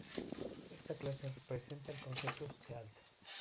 Esta clase presenta el concepto Stealth.